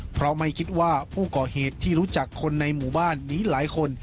เพราะไม่คิดว่าผู้ก่อเหตุที่รู้จักคนในหมู่บ้านนี้หลายคน